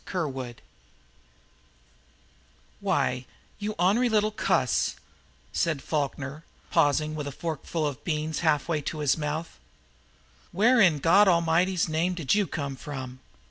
THE MOUSE "Why, you ornery little cuss," said Falkner, pausing with a forkful of beans half way to his mouth. "Where in God A'mighty's name did YOU come from?"